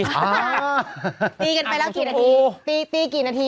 ดีกันไปแล้วกี่นาที